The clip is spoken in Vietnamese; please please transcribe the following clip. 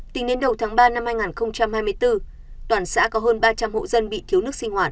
tính đến đầu tháng ba năm hai nghìn hai mươi bốn toàn xã có hơn ba trăm linh hộ dân bị thiếu nước sinh hoạt